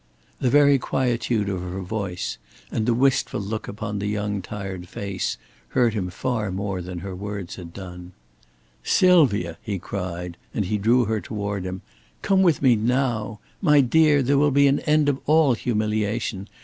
The very quietude of her voice and the wistful look upon the young tired face hurt him far more than her words had done. "Sylvia," he cried, and he drew her toward him. "Come with me now! My dear, there will be an end of all humiliation.